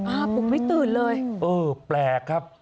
ปลุกไม่ตื่นเลยเออแปลกครับ